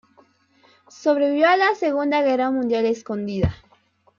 Sobrevivió a la Segunda Guerra Mundial escondida.